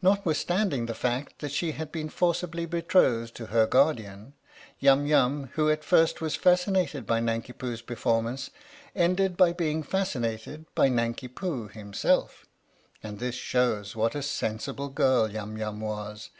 Notwithstanding the fact that she had been forcibly betrothed to her guardian, Yum Yum, who at first was fascinated by Nanki Poo's performance, ended by being fascinated by Nanki Poo himself; and this shows what a sensible girl Yum Yum was.